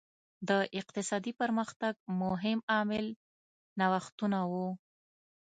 د اقتصادي پرمختګ مهم عامل نوښتونه وو.